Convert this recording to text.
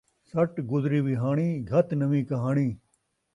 سٹ گزری وِہاݨی ، گھت نویں کہاݨی